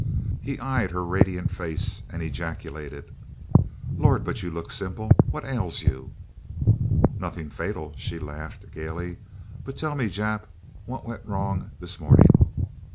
He eyed her radiant face and ejaculated: "Lord, but you look simple! What ails you?" "Nothing fatal," she laughed gaily. "But tell me, Jap, what went wrong this morning?"